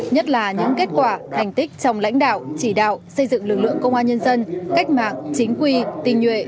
nhất là những kết quả thành tích trong lãnh đạo chỉ đạo xây dựng lực lượng công an nhân dân cách mạng chính quy tình nhuệ